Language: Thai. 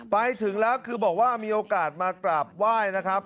ไปถึงแล้วคือบอกว่ามีโอกาสมากราบไหว้นะครับ